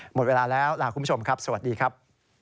หมดเวลาแล้วลาคุณผู้ชมครับสวัสดีครับ